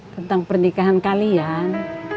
tentang pernikahan kalian